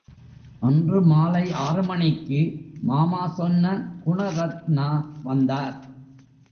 அன்று மாலை ஆறு மணிக்கு மாமா சொன்ன குணரத்னா வந்தார்.